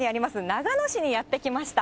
長野市にやって来ました。